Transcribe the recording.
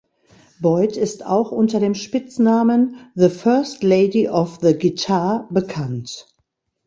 Boyd ist auch unter dem Spitznamen "The First Lady of the Guitar" bekannt.